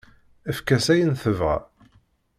Efk-as ayen tebɣa.